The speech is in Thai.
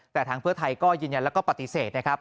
แต่ทางเพื่อไทยก็ยืนยันแล้วก็ปฏิเสธนะครับ